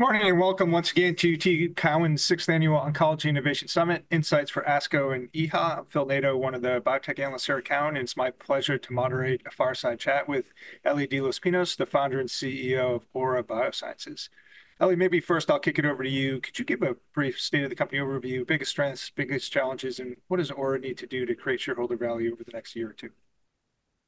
Good morning and welcome once again to TD Cowen's 6th Annual Oncology Innovation Summit, Insights for ASCO and EHA. I'm Phil Nadeau, one of the biotech analysts here at Cowen, and it's my pleasure to moderate a fireside chat with Ellie de los Pinos, the founder and CEO of Aura Biosciences. Ellie, maybe first I'll kick it over to you. Could you give a brief state of the company overview, biggest strengths, biggest challenges, and what does Aura need to do to create shareholder value over the next year or two?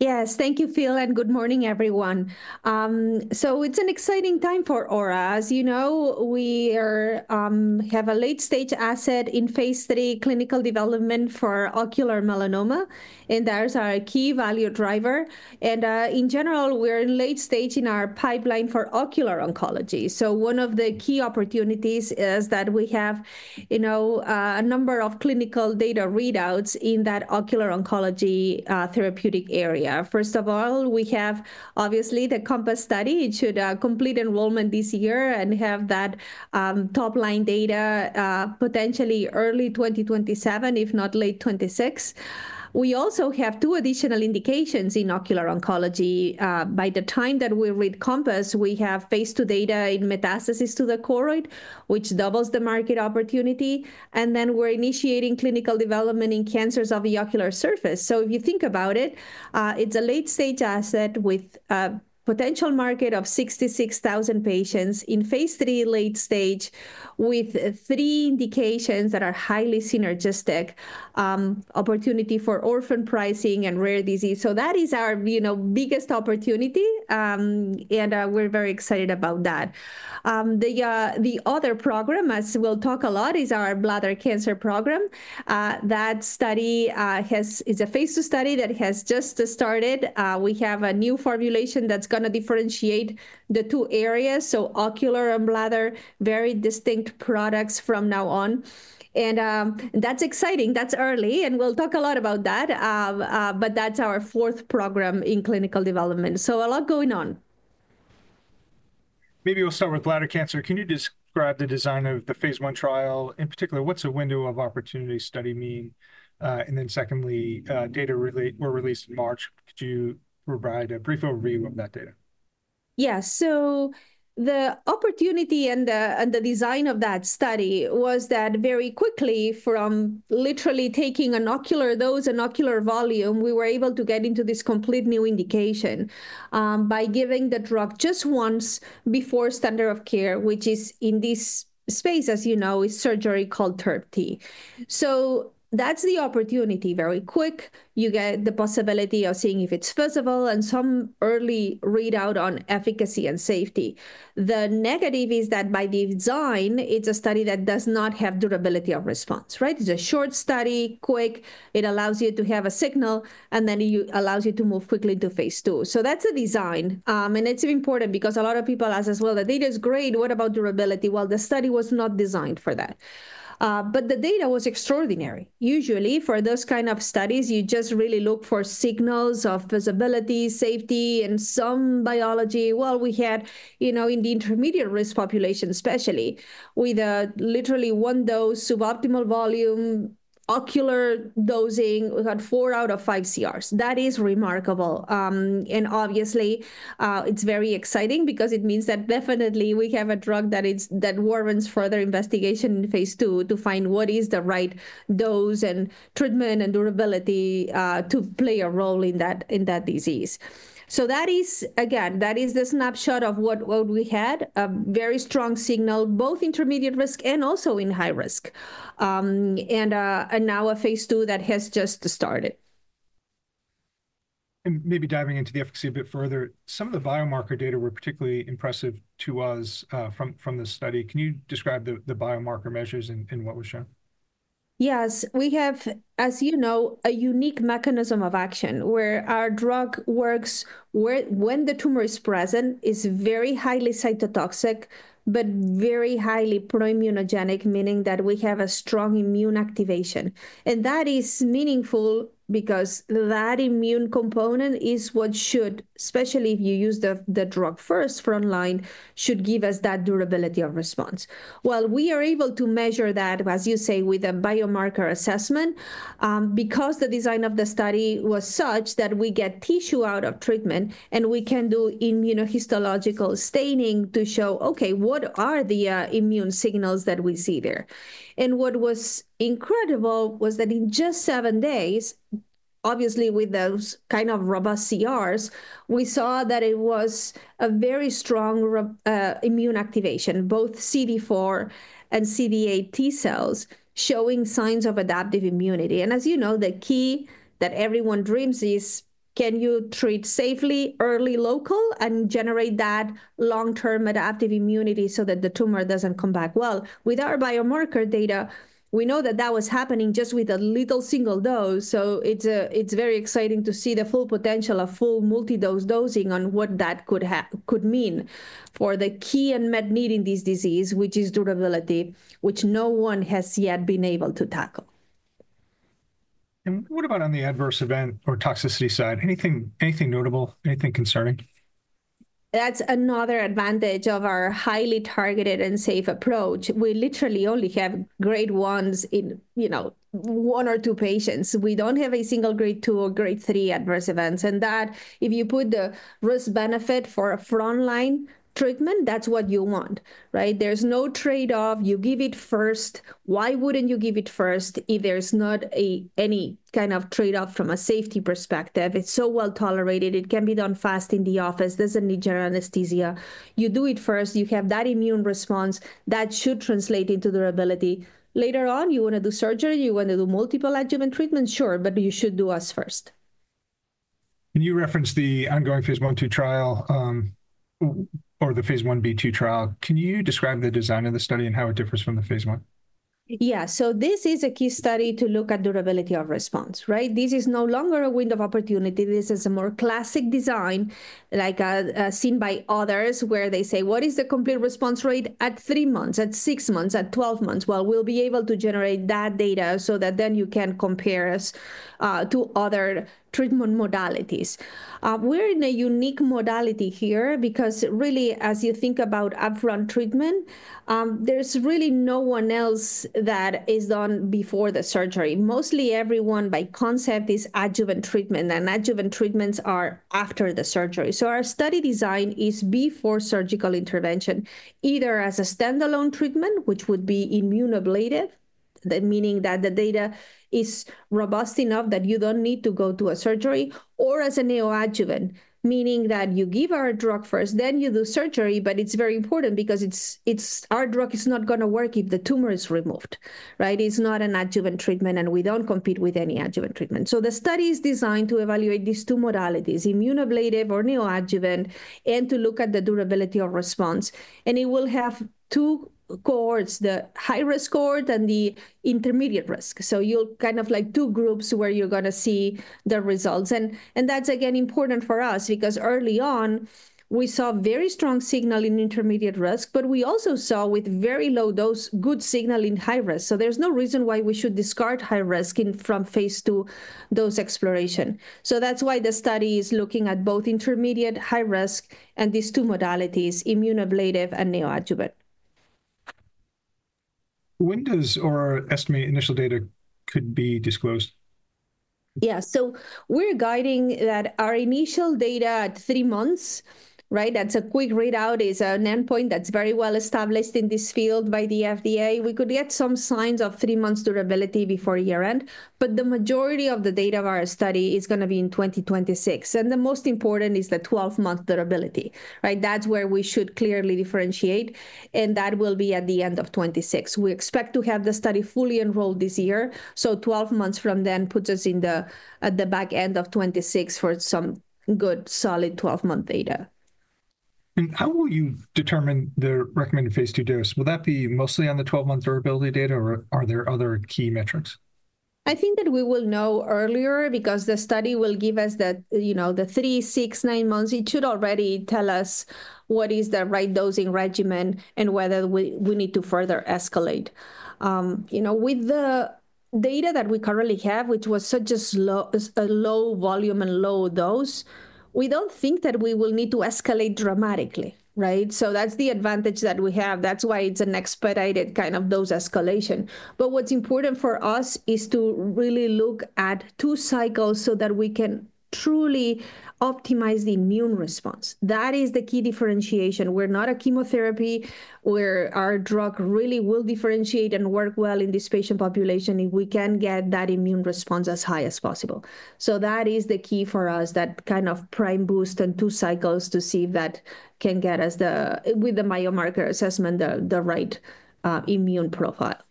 Yes, thank you, Phil, and good morning, everyone. It is an exciting time for Aura. As you know, we have a late-stage asset in phase III clinical development for ocular melanoma, and that is our key value driver. In general, we are in late stage in our pipeline for ocular oncology. One of the key opportunities is that we have, you know, a number of clinical data readouts in that ocular oncology therapeutic area. First of all, we have obviously the CoMpass study. It should complete enrollment this year and have that top-line data potentially early 2027, if not late 2026. We also have two additional indications in ocular oncology. By the time that we read CoMpass, we have phase II data in metastasis to the choroid, which doubles the market opportunity. We are initiating clinical development in cancers of the ocular surface. If you think about it, it's a late-stage asset with a potential market of 66,000 patients in phase III late stage with three indications that are highly synergistic: opportunity for orphan pricing and rare disease. That is our, you know, biggest opportunity, and we're very excited about that. The other program, as we'll talk a lot, is our bladder cancer program. That study is a phase II study that has just started. We have a new formulation that's going to differentiate the two areas, so ocular and bladder, very distinct products from now on. That's exciting. That's early, and we'll talk a lot about that, but that's our fourth program in clinical development. A lot going on. Maybe we'll start with bladder cancer. Can you describe the design of the phase I trial? In particular, what's a window of opportunity study mean? Then secondly, data were released in March. Could you provide a brief overview of that data? Yeah, so the opportunity and the design of that study was that very quickly, from literally taking an ocular dose and ocular volume, we were able to get into this complete new indication by giving the drug just once before standard of care, which is in this space, as you know, is surgery called TURBT. So that's the opportunity. Very quick, you get the possibility of seeing if it's feasible and some early readout on efficacy and safety. The negative is that by design, it's a study that does not have durability of response, right? It's a short study, quick. It allows you to have a signal, and then it allows you to move quickly to phase II. That's a design, and it's important because a lot of people ask as well, the data is great. What about durability? The study was not designed for that, but the data was extraordinary. Usually, for those kind of studies, you just really look for signals of visibility, safety, and some biology. We had, you know, in the intermediate risk population, especially with literally one dose suboptimal volume ocular dosing, we got four out of five CRs. That is remarkable. Obviously, it is very exciting because it means that definitely we have a drug that warrants further investigation in phase II to find what is the right dose and treatment and durability to play a role in that disease. That is, again, that is the snapshot of what we had: a very strong signal, both intermediate risk and also in high risk, and now a phase II that has just started. Maybe diving into the efficacy a bit further, some of the biomarker data were particularly impressive to us from the study. Can you describe the biomarker measures and what was shown? Yes, we have, as you know, a unique mechanism of action where our drug works when the tumor is present. It's very highly cytotoxic, but very highly pro-immunogenic, meaning that we have a strong immune activation. That is meaningful because that immune component is what should, especially if you use the drug first, front line, should give us that durability of response. We are able to measure that, as you say, with a biomarker assessment because the design of the study was such that we get tissue out of treatment and we can do immunohistological staining to show, okay, what are the immune signals that we see there? What was incredible was that in just seven days, obviously with those kind of robust CRs, we saw that it was a very strong immune activation, both CD4 and CD8 T cells showing signs of adaptive immunity. As you know, the key that everyone dreams is, can you treat safely, early, local, and generate that long-term adaptive immunity so that the tumor does not come back? With our biomarker data, we know that that was happening just with a little single dose. It is very exciting to see the full potential of full multi-dose dosing on what that could mean for the key and med need in this disease, which is durability, which no one has yet been able to tackle. What about on the adverse event or toxicity side? Anything notable? Anything concerning? That's another advantage of our highly targeted and safe approach. We literally only have grade ones in, you know, one or two patients. We don't have a single grade two or grade three adverse events. If you put the risk benefit for a front line treatment, that's what you want, right? There's no trade-off. You give it first. Why wouldn't you give it first if there's not any kind of trade-off from a safety perspective? It's so well tolerated. It can be done fast in the office. Doesn't need general anesthesia. You do it first. You have that immune response that should translate into durability. Later on, you want to do surgery. You want to do multiple adjuvant treatments. Sure, but you should do us first. You referenced the ongoing phase I/II trial or the phase Ib/II trial. Can you describe the design of the study and how it differs from the phase I? Yeah, so this is a key study to look at durability of response, right? This is no longer a window of opportunity. This is a more classic design, like seen by others, where they say, what is the complete response rate at three months, at six months, at 12 months? We will be able to generate that data so that then you can compare us to other treatment modalities. We are in a unique modality here because really, as you think about upfront treatment, there is really no one else that is done before the surgery. Mostly everyone, by concept, is adjuvant treatment, and adjuvant treatments are after the surgery. Our study design is before surgical intervention, either as a standalone treatment, which would be immune ablative, meaning that the data is robust enough that you do not need to go to a surgery, or as a neoadjuvant, meaning that you give our drug first, then you do surgery. It is very important because our drug is not going to work if the tumor is removed, right? It is not an adjuvant treatment, and we do not compete with any adjuvant treatment. The study is designed to evaluate these two modalities, immune ablative or neoadjuvant, and to look at the durability of response. It will have two cohorts, the high risk cohort and the intermediate risk. You will have two groups where you are going to see the results. That's, again, important for us because early on, we saw very strong signal in intermediate risk, but we also saw with very low dose, good signal in high risk. There is no reason why we should discard high risk from phase II dose exploration. That's why the study is looking at both intermediate, high risk, and these two modalities, immune ablative and neoadjuvant. When does our estimate initial data could be disclosed? Yeah, so we're guiding that our initial data at three months, right? That's a quick readout, is an endpoint that's very well established in this field by the FDA. We could get some signs of three months durability before year-end, but the majority of the data of our study is going to be in 2026. The most important is the 12-month durability, right? That's where we should clearly differentiate, and that will be at the end of 2026. We expect to have the study fully enrolled this year. Twelve months from then puts us at the back end of 2026 for some good solid 12-month data. How will you determine the recommended phase II dose? Will that be mostly on the 12-month durability data, or are there other key metrics? I think that we will know earlier because the study will give us that, you know, the three, six, nine months, it should already tell us what is the right dosing regimen and whether we need to further escalate. You know, with the data that we currently have, which was such a low volume and low dose, we do not think that we will need to escalate dramatically, right? That is the advantage that we have. That is why it is an expedited kind of dose escalation. What is important for us is to really look at two cycles so that we can truly optimize the immune response. That is the key differentiation. We are not a chemotherapy where our drug really will differentiate and work well in this patient population if we can get that immune response as high as possible. That is the key for us, that kind of prime boost and two cycles to see if that can get us, with the biomarker assessment, the right immune profile.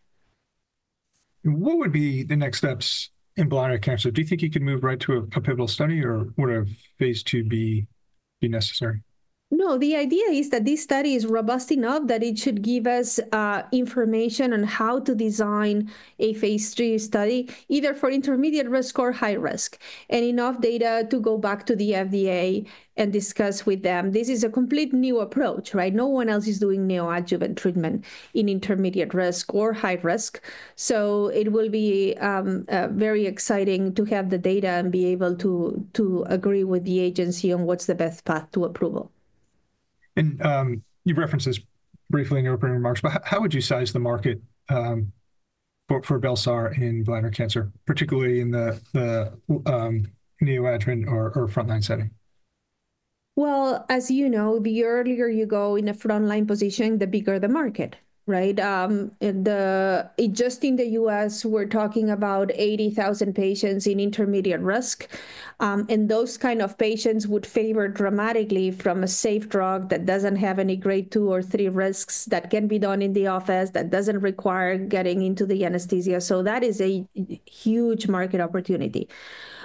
What would be the next steps in bladder cancer? Do you think you could move right to a pivotal study or would a phase II be necessary? No, the idea is that this study is robust enough that it should give us information on how to design a phase III study, either for intermediate risk or high risk, and enough data to go back to the FDA and discuss with them. This is a complete new approach, right? No one else is doing neoadjuvant treatment in intermediate risk or high risk. It will be very exciting to have the data and be able to agree with the agency on what's the best path to approval. You've referenced this briefly in your opening remarks, but how would you size the market for bel-sar in bladder cancer, particularly in the neoadjuvant or front line setting? As you know, the earlier you go in a front line position, the bigger the market, right? Just in the U.S., we're talking about 80,000 patients in intermediate risk. And those kind of patients would favor dramatically from a safe drug that doesn't have any grade two or three risks that can be done in the office, that doesn't require getting into the anesthesia. That is a huge market opportunity.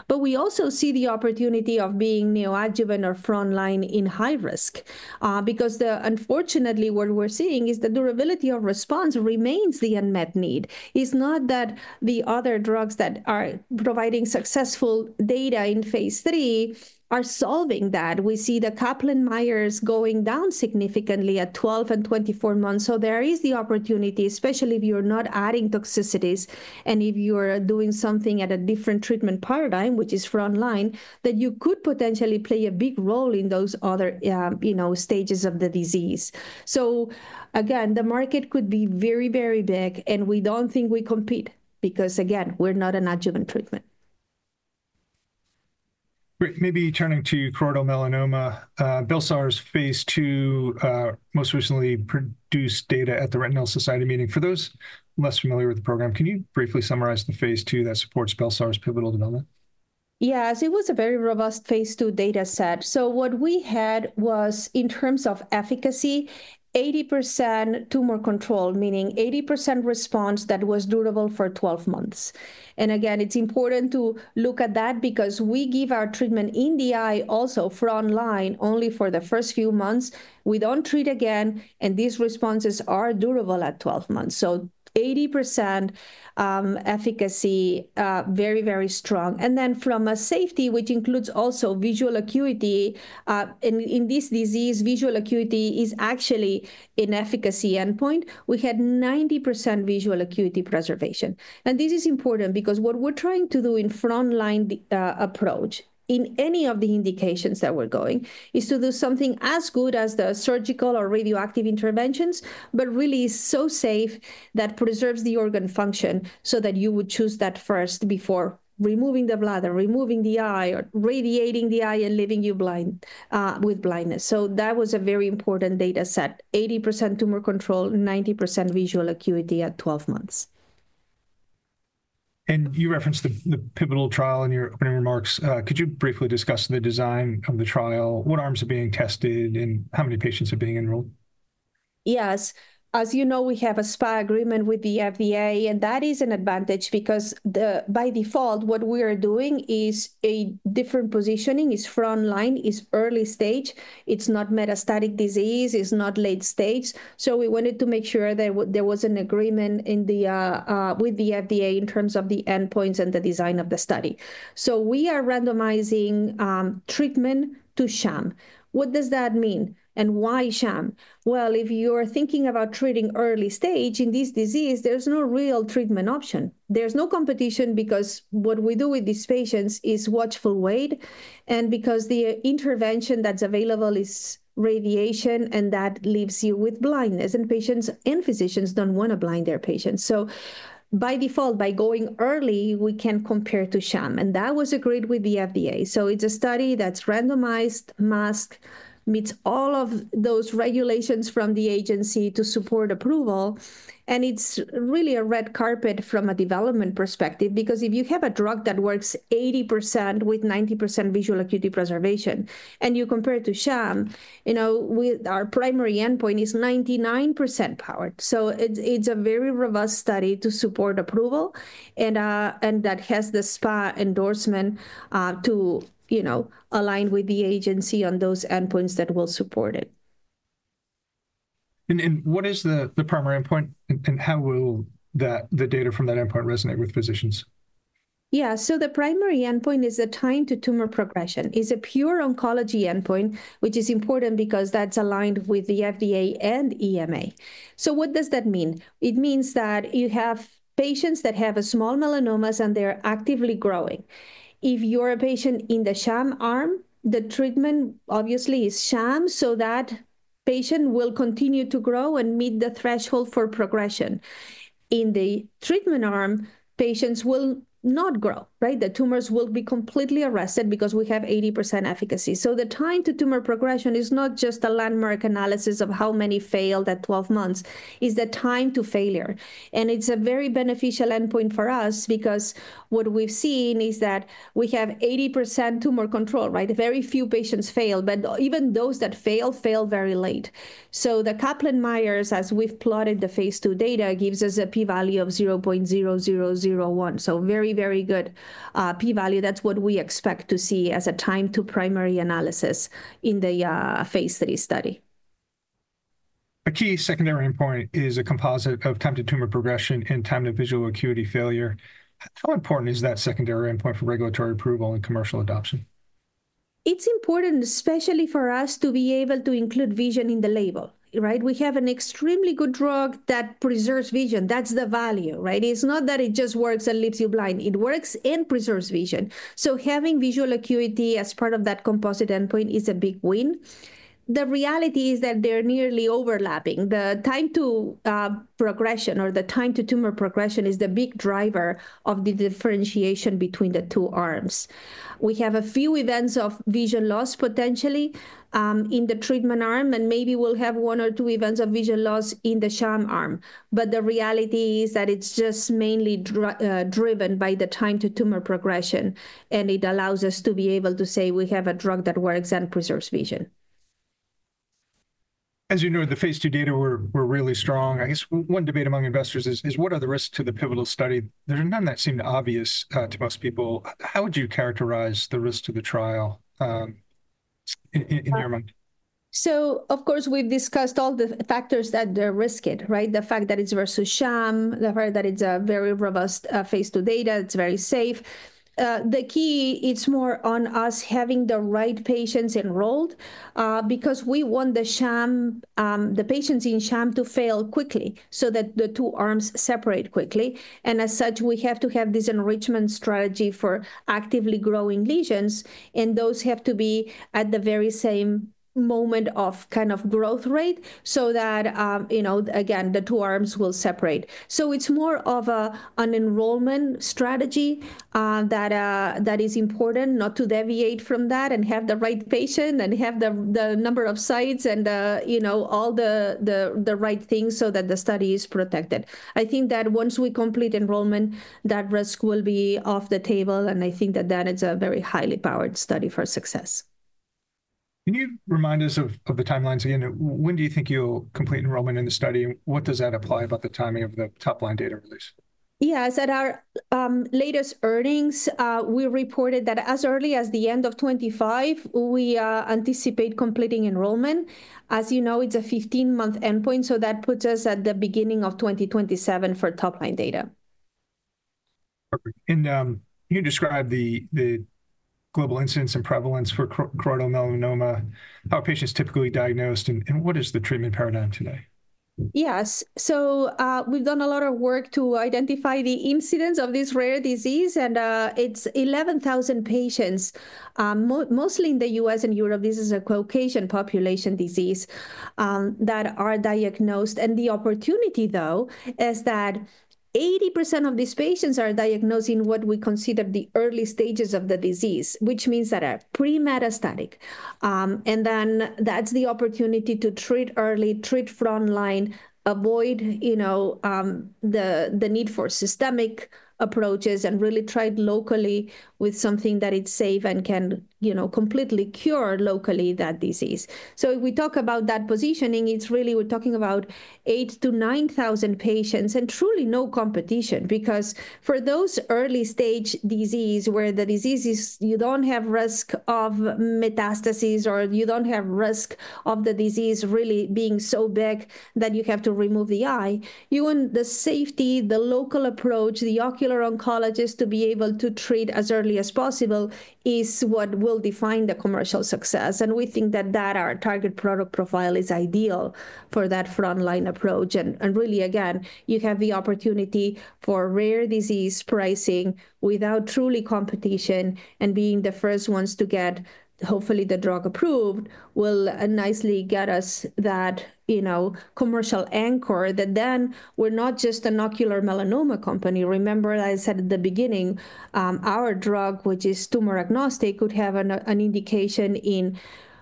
We also see the opportunity of being neoadjuvant or front line in high risk because, unfortunately, what we're seeing is the durability of response remains the unmet need. It's not that the other drugs that are providing successful data in phase III are solving that. We see the Kaplan-Meier's going down significantly at 12 and 24 months. There is the opportunity, especially if you're not adding toxicities and if you're doing something at a different treatment paradigm, which is front line, that you could potentially play a big role in those other stages of the disease. Again, the market could be very, very big, and we don't think we compete because, again, we're not an adjuvant treatment. Great. Maybe turning to choroidal melanoma, bel-sar's phase II most recently produced data at the Retinal Society meeting. For those less familiar with the program, can you briefly summarize the phase II that supports bel-sar's pivotal development? Yeah, it was a very robust phase II data set. What we had was, in terms of efficacy, 80% tumor control, meaning 80% response that was durable for 12 months. Again, it's important to look at that because we give our treatment in the eye also front line only for the first few months. We don't treat again, and these responses are durable at 12 months. 80% efficacy, very, very strong. From a safety, which includes also visual acuity, in this disease, visual acuity is actually an efficacy endpoint. We had 90% visual acuity preservation. This is important because what we're trying to do in front line approach in any of the indications that we're going is to do something as good as the surgical or radioactive interventions, but really so safe that preserves the organ function so that you would choose that first before removing the bladder, removing the eye, or radiating the eye and leaving you blind with blindness. That was a very important data set, 80% tumor control, 90% visual acuity at 12 months. You referenced the pivotal trial in your opening remarks. Could you briefly discuss the design of the trial? What arms are being tested and how many patients are being enrolled? Yes. As you know, we have a SPA agreement with the FDA, and that is an advantage because by default, what we are doing is a different positioning. It's front line, it's early stage. It's not metastatic disease, it's not late stage. We wanted to make sure that there was an agreement with the FDA in terms of the endpoints and the design of the study. We are randomizing treatment to sham. What does that mean and why sham? If you are thinking about treating early stage in this disease, there's no real treatment option. There's no competition because what we do with these patients is watchful wait. The intervention that's available is radiation and that leaves you with blindness, and patients and physicians don't want to blind their patients. By default, by going early, we can compare to sham. That was agreed with the FDA. It is a study that is randomized, masked, meets all of those regulations from the agency to support approval. It is really a red carpet from a development perspective because if you have a drug that works 80% with 90% visual acuity preservation and you compare it to sham, you know, our primary endpoint is 99% powered. It is a very robust study to support approval and that has the SPA endorsement to align with the agency on those endpoints that will support it. What is the primary endpoint and how will the data from that endpoint resonate with physicians? Yeah, so the primary endpoint is a time to tumor progression. It's a pure oncology endpoint, which is important because that's aligned with the FDA and EMA. What does that mean? It means that you have patients that have small melanomas and they're actively growing. If you're a patient in the sham arm, the treatment obviously is sham so that patient will continue to grow and meet the threshold for progression. In the treatment arm, patients will not grow, right? The tumors will be completely arrested because we have 80% efficacy. The time to tumor progression is not just a landmark analysis of how many failed at 12 months, it's the time to failure. It's a very beneficial endpoint for us because what we've seen is that we have 80% tumor control, right? Very few patients fail, but even those that fail, fail very late. The Kaplan-Meier, as we've plotted the phase II data, gives us a p-value of 0.0001. Very, very good p-value. That's what we expect to see as a time to primary analysis in the phase III study. A key secondary endpoint is a composite of time to tumor progression and time to visual acuity failure. How important is that secondary endpoint for regulatory approval and commercial adoption? It's important, especially for us to be able to include vision in the label, right? We have an extremely good drug that preserves vision. That's the value, right? It's not that it just works and leaves you blind. It works and preserves vision. Having visual acuity as part of that composite endpoint is a big win. The reality is that they're nearly overlapping. The time to progression or the time to tumor progression is the big driver of the differentiation between the two arms. We have a few events of vision loss potentially in the treatment arm, and maybe we'll have one or two events of vision loss in the sham arm. The reality is that it's just mainly driven by the time to tumor progression, and it allows us to be able to say we have a drug that works and preserves vision. As you know, the phase II data were really strong. I guess one debate among investors is, what are the risks to the pivotal study? There's none that seemed obvious to most people. How would you characterize the risks to the trial in your mind? Of course, we've discussed all the factors that they're risked, right? The fact that it's versus sham, the fact that it's a very robust phase II data, it's very safe. The key is more on us having the right patients enrolled because we want the patients in sham to fail quickly so that the two arms separate quickly. As such, we have to have this enrichment strategy for actively growing lesions, and those have to be at the very same moment of kind of growth rate so that, you know, again, the two arms will separate. It's more of an enrollment strategy that is important not to deviate from that and have the right patient and have the number of sites and all the right things so that the study is protected. I think that once we complete enrollment, that risk will be off the table, and I think that that is a very highly powered study for success. Can you remind us of the timelines again? When do you think you'll complete enrollment in the study? What does that imply about the timing of the top line data release? Yes, at our latest earnings, we reported that as early as the end of 2025, we anticipate completing enrollment. As you know, it's a 15-month endpoint, so that puts us at the beginning of 2027 for top line data. Perfect. Can you describe the global incidence and prevalence for choroidal melanoma, how are patients typically diagnosed, and what is the treatment paradigm today? Yes. We've done a lot of work to identify the incidence of this rare disease, and it's 11,000 patients, mostly in the U.S. and Europe. This is a Caucasian population disease that are diagnosed. The opportunity, though, is that 80% of these patients are diagnosed in what we consider the early stages of the disease, which means that are pre-metastatic. That's the opportunity to treat early, treat front line, avoid the need for systemic approaches, and really try locally with something that is safe and can completely cure locally that disease. If we talk about that positioning, it's really we're talking about 8,000-9,000 patients and truly no competition because for those early stage disease where the disease is, you don't have risk of metastasis or you don't have risk of the disease really being so big that you have to remove the eye. The safety, the local approach, the ocular oncologist to be able to treat as early as possible is what will define the commercial success. We think that our target product profile is ideal for that front line approach. Really, again, you have the opportunity for rare disease pricing without truly competition and being the first ones to get hopefully the drug approved will nicely get us that commercial anchor that then we're not just an ocular melanoma company. Remember, as I said at the beginning, our drug, which is tumor agnostic, could have an indication in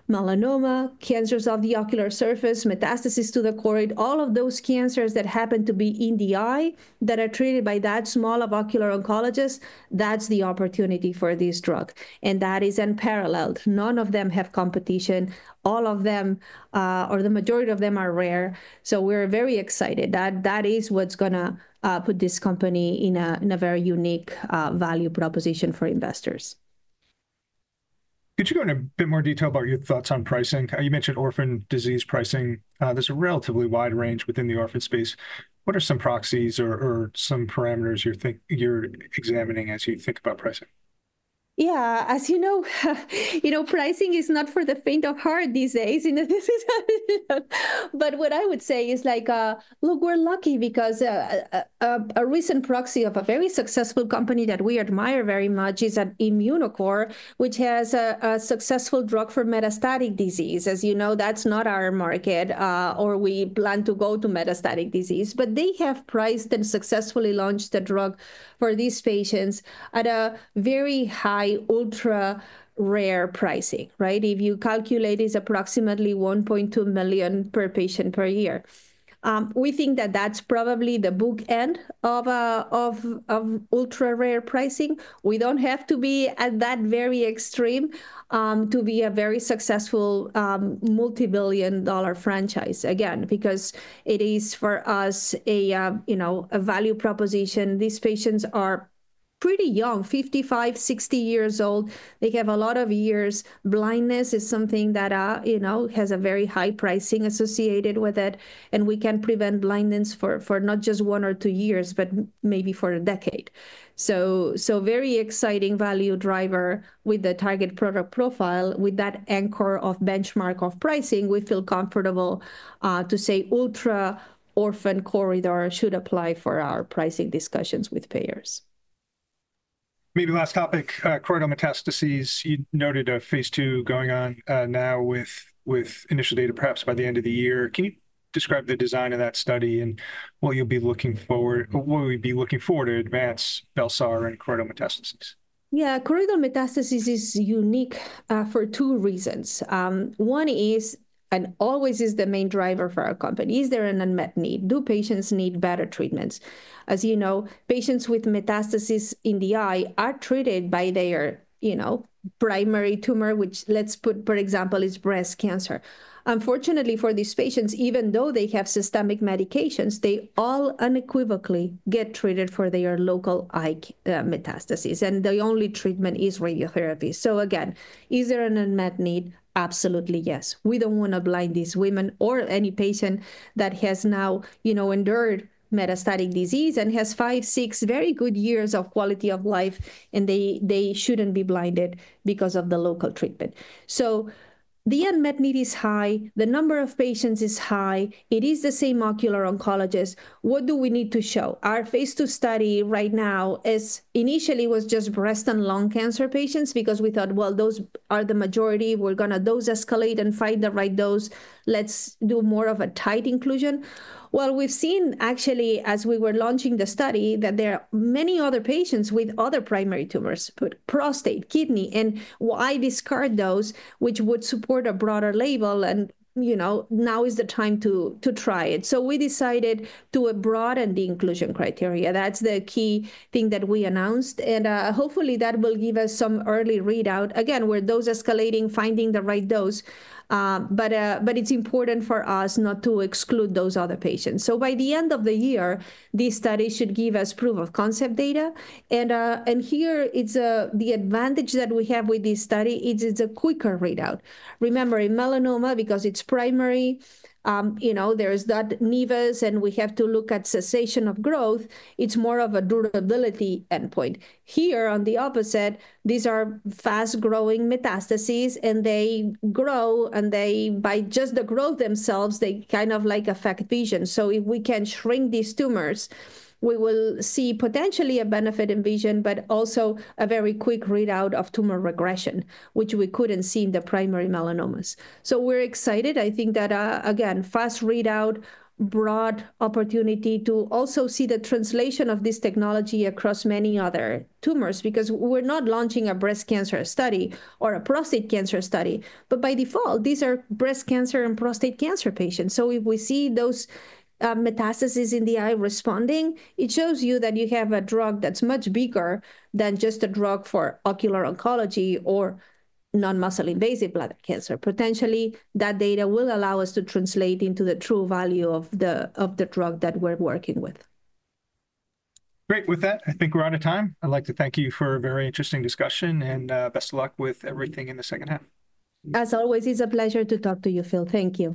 melanoma, cancers of the ocular surface, metastasis to the choroid, all of those cancers that happen to be in the eye that are treated by that small of ocular oncologists, that's the opportunity for this drug. That is unparalleled. None of them have competition. All of them, or the majority of them, are rare. So we're very excited that that is what's going to put this company in a very unique value proposition for investors. Could you go into a bit more detail about your thoughts on pricing? You mentioned orphan disease pricing. There's a relatively wide range within the orphan space. What are some proxies or some parameters you're examining as you think about pricing? Yeah, as you know, you know pricing is not for the faint of heart these days. What I would say is like, look, we're lucky because a recent proxy of a very successful company that we admire very much is at Immunocore, which has a successful drug for metastatic disease. As you know, that's not our market or we plan to go to metastatic disease, but they have priced and successfully launched the drug for these patients at a very high ultra rare pricing, right? If you calculate, it's approximately $1.2 million per patient per year. We think that that's probably the bookend of ultra rare pricing. We don't have to be at that very extreme to be a very successful multi-billion dollar franchise, again, because it is for us a value proposition. These patients are pretty young, 55, 60 years old. They have a lot of years. Blindness is something that has a very high pricing associated with it, and we can prevent blindness for not just one or two years, but maybe for a decade. Very exciting value driver with the target product profile. With that anchor of benchmark of pricing, we feel comfortable to say ultra orphan corridor should apply for our pricing discussions with payers. Maybe last topic, choroidal metastases. You noted a phase II going on now with initial data, perhaps by the end of the year. Can you describe the design of that study and what you'll be looking forward, what we'd be looking forward to advance bel-sar and choroidal metastasis? Yeah, choroidal metastasis is unique for two reasons. One is and always is the main driver for our company. Is there an unmet need? Do patients need better treatments? As you know, patients with metastasis in the eye are treated by their primary tumor, which let's put, for example, is breast cancer. Unfortunately, for these patients, even though they have systemic medications, they all unequivocally get treated for their local eye metastasis, and the only treatment is radiotherapy. Again, is there an unmet need? Absolutely, yes. We don't want to blind these women or any patient that has now endured metastatic disease and has five, six very good years of quality of life, and they shouldn't be blinded because of the local treatment. The unmet need is high. The number of patients is high. It is the same ocular oncologist. What do we need to show? Our phase II study right now initially was just breast and lung cancer patients because we thought, well, those are the majority. We're going to dose escalate and find the right dose. Let's do more of a tight inclusion. We've seen actually as we were launching the study that there are many other patients with other primary tumors, prostate, kidney, and why discard those which would support a broader label. Now is the time to try it. We decided to broaden the inclusion criteria. That's the key thing that we announced, and hopefully that will give us some early readout again where those escalating, finding the right dose. It's important for us not to exclude those other patients. By the end of the year, this study should give us proof of concept data. Here it's the advantage that we have with this study is it's a quicker readout. Remember, in melanoma, because it's primary, there's that nevus, and we have to look at cessation of growth. It's more of a durability endpoint. Here, on the opposite, these are fast-growing metastases, and they grow, and by just the growth themselves, they kind of affect vision. If we can shrink these tumors, we will see potentially a benefit in vision, but also a very quick readout of tumor regression, which we couldn't see in the primary melanomas. We're excited. I think that, again, fast readout, broad opportunity to also see the translation of this technology across many other tumors because we're not launching a breast cancer study or a prostate cancer study, but by default, these are breast cancer and prostate cancer patients. If we see those metastases in the eye responding, it shows you that you have a drug that's much bigger than just a drug for ocular oncology or non-muscle invasive bladder cancer. Potentially, that data will allow us to translate into the true value of the drug that we're working with. Great. With that, I think we're out of time. I'd like to thank you for a very interesting discussion and best of luck with everything in the second half. As always, it's a pleasure to talk to you, Phil. Thank you.